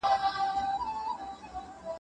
هغه خپل ټول ژوند علم ته وقف کړی دی.